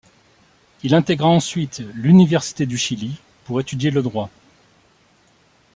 Il intégra ensuite l'Université du Chili pour étudier le droit.